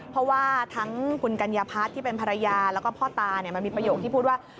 เพราะว่าทั้งคุณกัญญาพัฒน์ที่เป็นภรรยาแล้วก็พ่อตามันมีประโยคที่พูดว่า